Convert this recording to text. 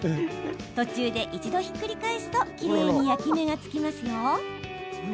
途中で一度ひっくり返すときれいに焼き目がつきますよ。